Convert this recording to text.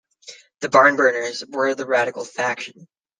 The Barnburners were the radical faction.